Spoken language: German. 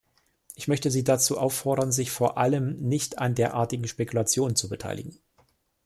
Ich möchte Sie dazu auffordern, sich vor allem nicht an derartigen Spekulationen zu beteiligen.